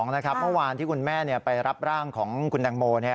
เมื่อวานที่คุณแม่ไปรับร่างของคุณแตงโม